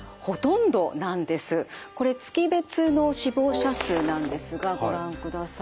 これ月別の死亡者数なんですがご覧ください。